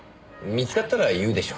見つかったら言うでしょ。